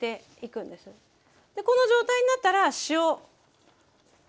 でこの状態になったら塩。